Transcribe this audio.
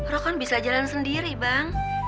roh kan bisa jalan sendiri bang